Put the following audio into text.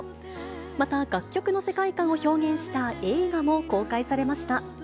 また、楽曲の世界観を表現した映画も公開されました。